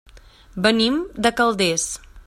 Venim de Calders.